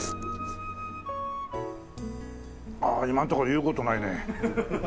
ああ今のところ言う事ないね。